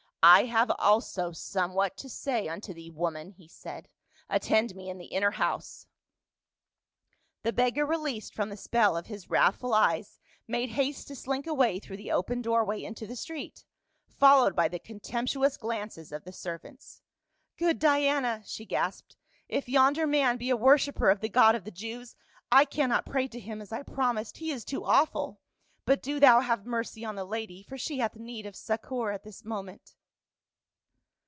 " I have also somewhat to say unto thee, woman," he said; "attend me in the inner house." The beggar released from the spell of his wrathful eyes made haste to slink away through the open door way into the street, followed by the contemptuous glances of the servants. " Good Diana !" she gasped, " if yonder man be a worshiper of the god of the Jews, I cannot pray to him as I promised, he is too awful ; but do thou have mercy on the lady, for she hath need of succor at this moment."